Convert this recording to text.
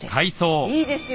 いいですよ